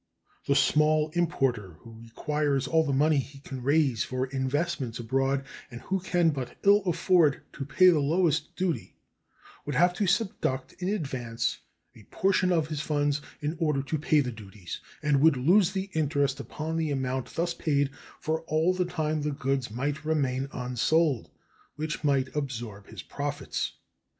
The small importer, who requires all the money he can raise for investments abroad, and who can but ill afford to pay the lowest duty, would have to subduct in advance a portion of his funds in order to pay the duties, and would lose the interest upon the amount thus paid for all the time the goods might remain unsold, which might absorb his profits.